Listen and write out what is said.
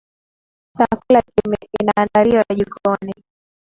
Chakula kinaandaliwa jikoni.